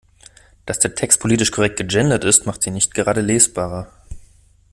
Dass der Text politisch korrekt gegendert ist, macht ihn nicht gerade lesbarer.